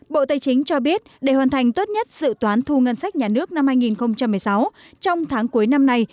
bộ tây chính cho biết để hoàn thành tốt nhất dự toán thu ngân sách nhà nước năm hai nghìn một mươi sáu trong tháng cuối năm nay